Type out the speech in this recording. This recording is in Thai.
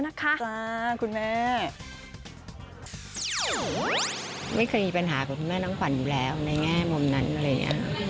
ในแง่มุมนั้นอะไรอย่างนี้